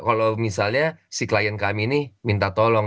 kalau misalnya si klien kami ini minta tolong